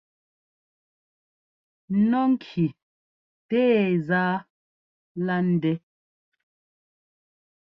Nɔ́ ŋki tɛɛ zá lá ndɛ́.